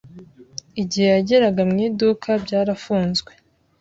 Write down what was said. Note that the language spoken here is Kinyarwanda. Igihe yageraga mu iduka byarafunzwe.